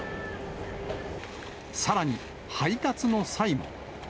さらに、配達の際も。